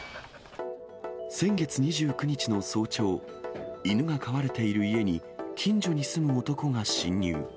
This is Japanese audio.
先月２９日の早朝、犬が飼われている家に近所に住む男が侵入。